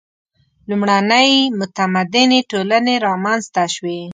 • لومړنۍ متمدنې ټولنې رامنځته شوې.